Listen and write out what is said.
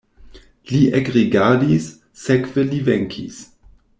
Li ekrigardis, sekve li venkis.